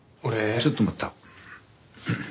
ちょっと待った。